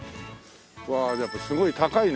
わやっぱすごい高いね。